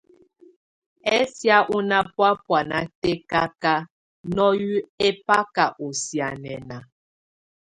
Ɛsɛ̀á ɔ́ ná bɔ̀á bɔ̀ána tɛkaka, nɔyɛ ɛbaka ɔ̀ sianɛna.